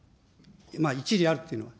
一理あるっていうのは。